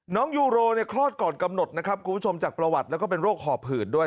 ยูโรเนี่ยคลอดก่อนกำหนดนะครับคุณผู้ชมจากประวัติแล้วก็เป็นโรคหอบหืดด้วย